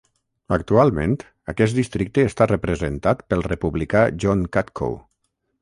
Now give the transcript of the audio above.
Actualment, aquest districte està representat pel republicà John Katko.